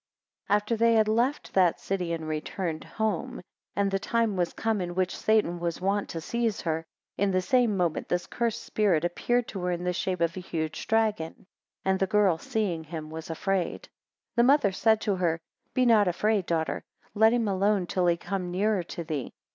14 After they had left that city and returned home, and the time was come in which Satan was wont to seize her, in the same moment this cursed spirit appeared to her in the shape of a huge dragon, and the girl seeing him was afraid, 15 The mother said to her, Be not afraid, daughter; let him alone till he come nearer to thee!